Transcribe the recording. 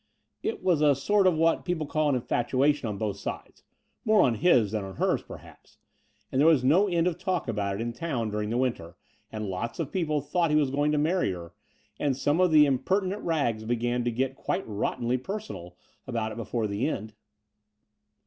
It was a sort of what people call an infatuation on both sides — ^more on his than on hers perhaps; and there was no end of talk about it in town dur ing the winter, and lots of people thought he was going to marry her, and some of the impertinent rags began to get quite rottenly personal about it before the end.